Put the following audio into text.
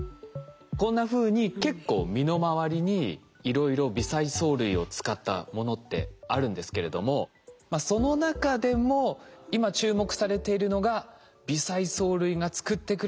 こんなふうに結構身の回りにいろいろ微細藻類を使ったものってあるんですけれどもその中でも今注目されているのが微細藻類が作ってくれるこちら。